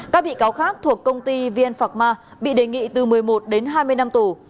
các bị cáo khác thuộc công ty vn phạc ma bị đề nghị từ một mươi một đến hai mươi năm tù